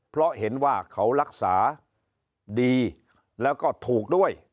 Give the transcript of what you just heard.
เพราะเห็นว่าเขารักษาดีแล้วก็ถูกด้วย